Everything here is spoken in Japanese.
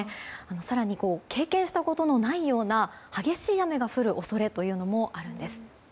更に経験したことのないような激しい雨が降る恐れというのもあるんです。